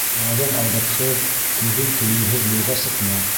Яҙын аҙыҡһыҙ, көҙөн кейемһеҙ юлға сыҡма.